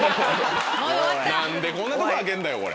何でこんなとこ開けるんだよこれ。